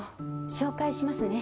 紹介しますね。